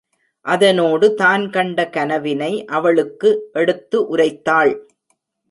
அதனோடு தான் கண்ட கனவினை அவளுக்கு எடுத்து உரைத்தாள்.